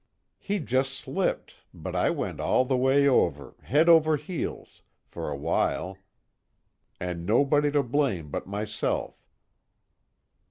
He just slipped, but I went all the way over, head over heels, for a while, and nobody to blame but myself."